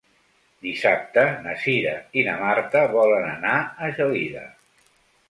Dissabte na Cira i na Marta volen anar a Gelida.